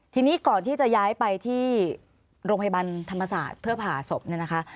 ทีนี้ก่อนที่จะย้ายไปที่โรงพยาบาลธรรมศาสตร์เพื่อผ่าศพเนี่ยนะคะ